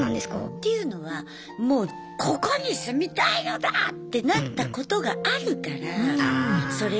っていうのはもうここに住みたいのだ！ってなったことがあるからそれが分かる。